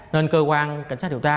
nên cơ quan cảnh sát điều tra